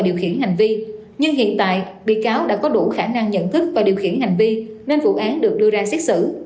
điều khiển hành vi nhưng hiện tại bị cáo đã có đủ khả năng nhận thức và điều khiển hành vi nên vụ án được đưa ra xét xử